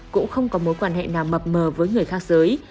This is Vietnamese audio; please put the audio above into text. cũng không có mối quan hệ nào mập mờ với người khác giới